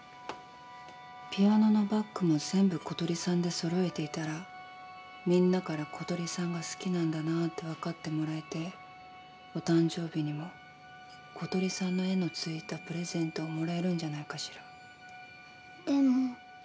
ピアノのバッグも全部小鳥さんでそろえていたらみんなから小鳥さんが好きなんだなって分かってもらえてお誕生日にも小鳥さんの絵のついたプレゼントをもらえるんじゃないかしら。